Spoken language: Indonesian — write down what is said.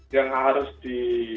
yang harus di